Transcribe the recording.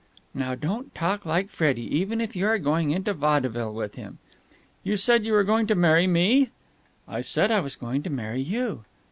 "Now, don't talk like Freddie, even if you are going into vaudeville with him." "You said you were going to marry me?" "I said I was going to marry you!"